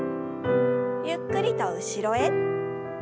ゆっくりと後ろへ。